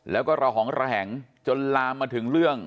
แล้วก็ระหองระแหงจนลามมาถึงเรื่อง